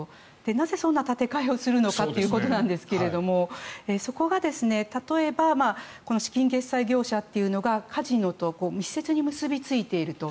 なぜ、そんな立て替えをするのかということですがそこが例えば決済代行業者というのがカジノと密接に結びついていると。